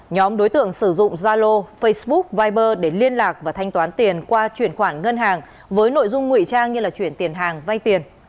nhóm đối tượng sử dụng zalo facebook viber để liên lạc và thanh toán tiền qua chuyển khoản ngân hàng với nội dung ngụy trang như là chuyển tiền hàng vay tiền